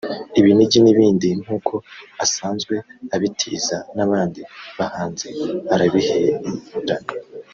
ibinigi n’ibindi nk’uko asanzwe abitiza n’abandi bahanzi arabiherana